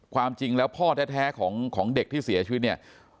ความจริงแล้วพ่อแท้ของเด็กที่เสียชีวิตเนี่ย